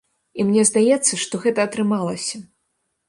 І мне здаецца, што гэта атрымалася.